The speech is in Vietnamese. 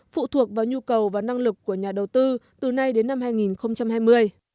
phụ thuộc vào nhu cầu và năng lực của nhà đầu tư từ nay đến năm hai nghìn hai mươi